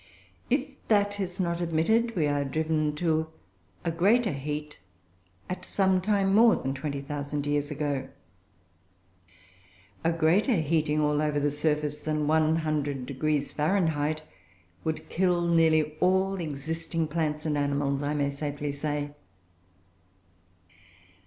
If that is not admitted we are driven to a greater heat at some time more than 20,000 years ago. A greater heating all over the surface than 100° Fahrenheit would kill nearly all existing plants and animals, I may safely say.